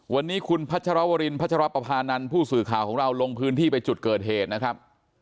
วันนี้คุณพัชรวรินพัชรปภานันทร์ผู้สื่อข่าวของเราลงพื้นที่ไปจุดเกิดเหตุนะครับ